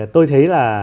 tôi thấy là